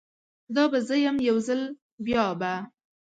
دا به زه یم، یوځل بیابه